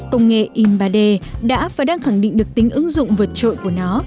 công nghệ in ba d đã và đang khẳng định được tính ứng dụng vượt trội của nó